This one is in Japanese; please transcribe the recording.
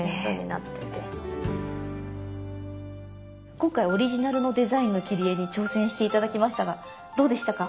今回オリジナルのデザインの切り絵に挑戦して頂きましたがどうでしたか？